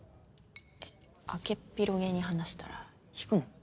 開けっ広げに話したら引くの？